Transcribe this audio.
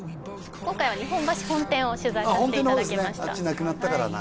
今回は日本橋本店を取材させていただきましたあっ本店の方ですね